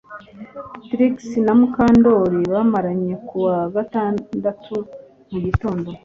Trix na Mukandoli bamaranye kuwa gatandatu mugitondo